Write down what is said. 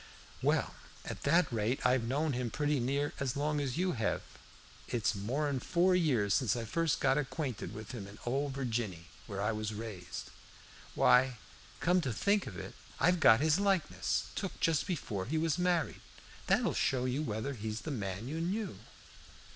"Well, at that rate I've known him pretty near as long as you hev. It's more'n four years since I first got acquainted with him down, in Ole Virginny, where I was raised. Why, come to think of it, I've got his likeness, took just before we was married. That'll show you whether he's the man you knew."